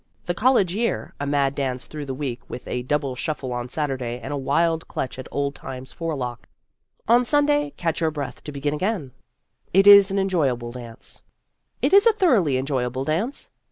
The college year a mad dance through the week with a double shuffle on Saturday and a wild clutch at old Time's forelock. On Sun day catch your breath to begin again. It is an enjoyable dance. It is a thoroughly enjoyable dance.